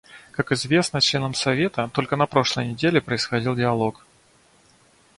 Как известно членам Совета, только на прошлой неделе происходил диалог.